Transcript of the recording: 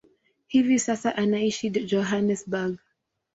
Hivi sasa anaishi Johannesburg.